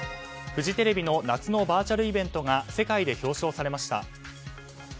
フジテレビの夏のバーチャルイベントが世界で表彰されました。